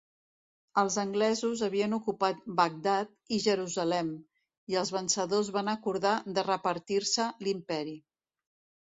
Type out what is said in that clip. Els anglesos havien ocupat Bagdad i Jerusalem, i els vencedors van acordar de repartir-se l'Imperi.